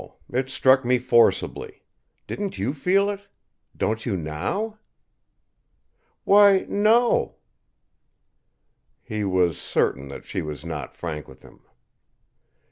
It struck me forcibly. Didn't you feel it? Don't you, now?" "Why, no!" He was certain that she was not frank with him.